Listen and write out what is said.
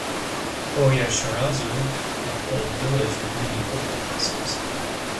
Oyashirazu - An old village with many older houses.